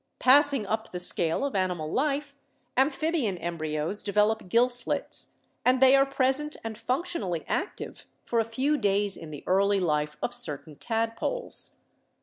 Passing up the scale of animal life, am phibian embryos develop gill slits and they are present and functionally active for a few days in the early life of cer tain tadpoles.